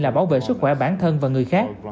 là bảo vệ sức khỏe bản thân và người khác